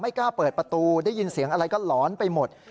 กล้าเปิดประตูได้ยินเสียงอะไรก็หลอนไปหมด